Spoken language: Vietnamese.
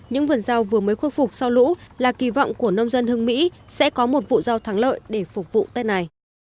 những vườn rau vừa mới khôi phục sau lũ là kỳ vọng của nông dân hưng mỹ sẽ có một vụ rau thắng lợi để phục vụ tết này